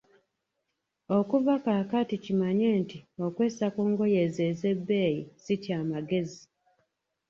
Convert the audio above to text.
Okuva kaakati kimanye nti okwessa ku ngoye ezo ezebbeeyi si kya magezi.